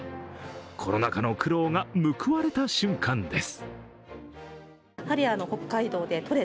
コロナ禍の苦労が報われた瞬間です。